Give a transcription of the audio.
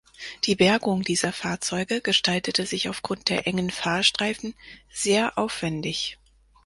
Die Bergung dieser Fahrzeuge gestaltete sich aufgrund der engen Fahrstreifen sehr aufwendig.